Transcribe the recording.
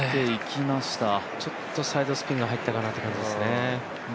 ちょっとサイドスピンが入ったかなという感じですね。